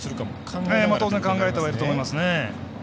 考えたほうがいいと思いますね。